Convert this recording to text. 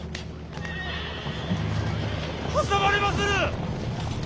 挟まれまする！